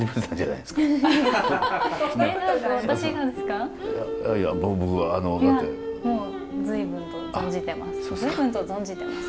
いやもう随分と存じています。